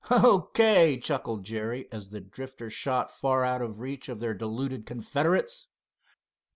"O. K.," chuckled Jerry, as the Drifter shot far out of reach of their deluded confederates.